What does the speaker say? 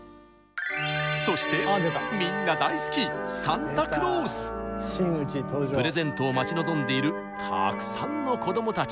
そしてみんな大好きプレゼントを待ち望んでいるたくさんの子どもたち。